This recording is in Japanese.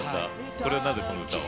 これはなぜこの歌を？